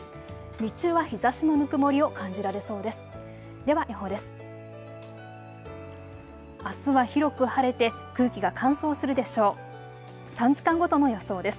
日中は日ざしのぬくもりを感じられそうです。